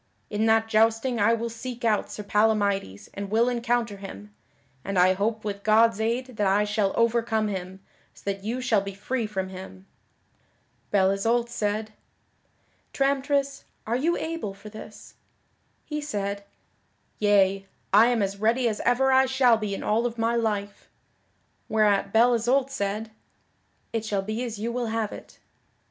In that jousting I will seek out Sir Palamydes and will encounter him, and I hope with God's aid that I shall overcome him, so that you shall be free from him." Belle Isoult said, "Tramtris, are you able for this?" He said, "Yea, I am as ready as ever I shall be in all of my life." Whereat Belle Isoult said, "It shall be as you will have it."